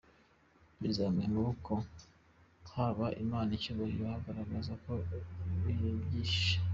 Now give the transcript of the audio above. Bazamuye amaboko baha Imana icyubahiro bagaragaza ko bishimye.